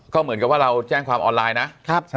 ก็เหมือนกับว่าเราแจ้งความออนไลน์นะ